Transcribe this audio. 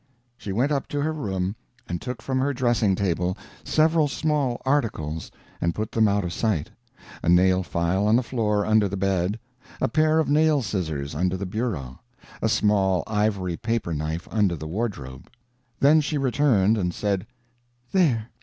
She went up to her room and took from her dressing table several small articles and put them out of sight: a nail file on the floor under the bed; a pair of nail scissors under the bureau; a small ivory paper knife under the wardrobe. Then she returned, and said, "There!